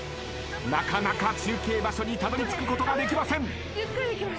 なかなか中継場所にたどりつくことができません。